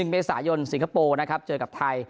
เมษายนสิงคโปร์นะครับเจอกับไทย